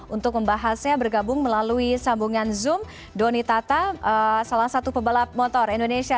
untuk membahasnya bergabung melalui sambungan zoom doni tata salah satu pebalap motor indonesia